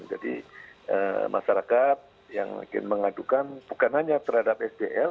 jadi masyarakat yang ingin mengadukan bukan hanya terhadap sdl